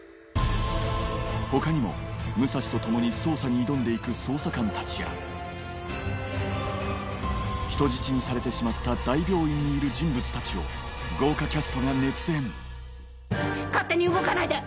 他にも武蔵と共に捜査に挑んでいく捜査官たちや人質にされてしまった大病院にいる人物たちを豪華キャストが熱演勝手に動かないで！